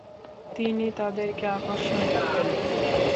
তিনি তাদেরকে আকর্ষণ করতেন।